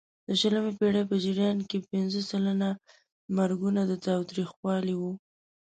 د شلمې پېړۍ په جریان کې پینځه سلنه مرګونه د تاوتریخوالي وو.